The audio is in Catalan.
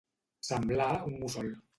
Semblar un mussol.